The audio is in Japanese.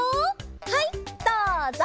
はいどうぞ！